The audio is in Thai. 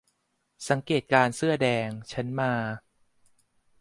สังเกตการณ์เสื้อแดง ฉันมา